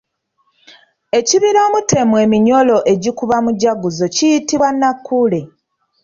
Ekibira omutemwa eminyolo egikuba mujaguzo kiyitibwa Nnakkuule.